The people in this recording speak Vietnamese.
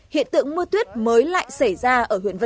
hiện tượng mưa tuyết mới lại xảy ra